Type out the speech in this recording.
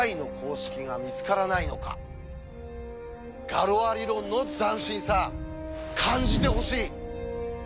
ガロア理論の斬新さ感じてほしい！